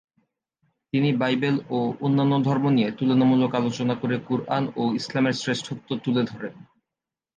তিনি বাইবেল ও অন্যান্য ধর্ম নিয়ে তুলনামূলক আলোচনা করে "কুরআন" ও ইসলামের শ্রেষ্ঠত্ব তুলে ধরেন।